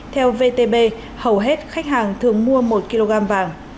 theo vtb hầu hết khách hàng thường mua một kg vàng